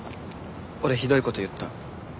俺ひどい事言った。